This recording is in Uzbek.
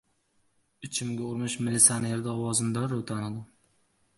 Ichimga urmish militsioner ovozini darrov tanidim.